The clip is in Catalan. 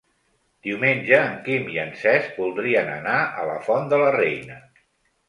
Diumenge en Quim i en Cesc voldrien anar a la Font de la Reina.